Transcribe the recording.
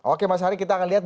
oke mas hari kita akan lihat